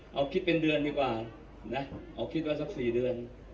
เอาคิดเป็นเดือนดีกว่านะเอาคิดว่าสัก๔เดือน